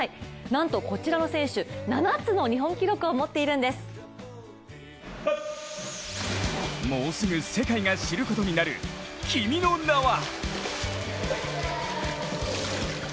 なんとこちらの選手、７つの日本記録を持っているんですもうすぐ世界が知ることになる君の名は。